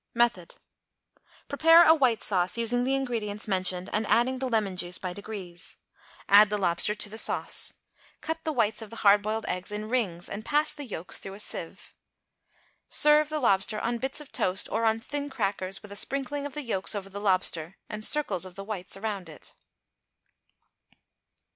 Method. Prepare a white sauce, using the ingredients mentioned, and adding the lemon juice by degrees. Add the lobster to the sauce. Cut the whites of the hard boiled eggs in rings and pass the yolks through a sieve. Serve the lobster on bits of toast, or on thin crackers, with a sprinkling of the yolks over the lobster, and circles of the whites around it.